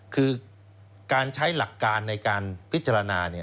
คือการใช้หลักการในการพิจารณา